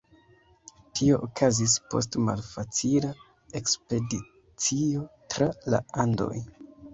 Tio okazis post malfacila ekspedicio tra la Andoj.